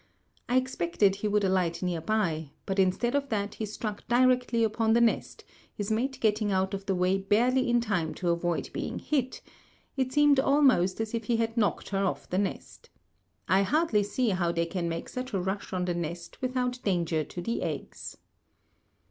I expected he would alight near by, but instead of that he struck directly upon the nest, his mate getting out of the way barely in time to avoid being hit; it seemed almost as if he had knocked her off the nest. I hardly see how they can make such a rush on the nest without danger to the eggs."